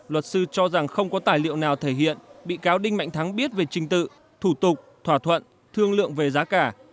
luật sư cho rằng không có tài liệu nào thể hiện bị cáo đinh mạnh thắng biết về trình tự thủ tục thỏa thuận thương lượng về giá cả